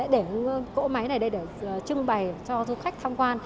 để cổ máy này ở đây để trưng bày cho khách tham quan